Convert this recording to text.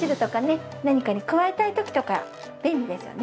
何かに加えたい時とか便利ですよね。